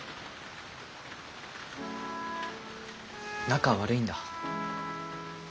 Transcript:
仲悪いんだ。